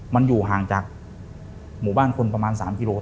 มันอยู่ห่างจากหมู่บ้านคนประมาณ๓กิโล